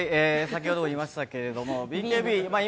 先ほども言いましたけれどもＢＫＢまあ